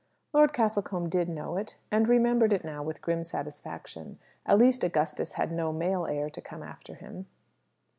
Lord Castlecombe did know it, and remembered it now with grim satisfaction. At least Augustus had no male heir to come after him.